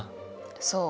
そう。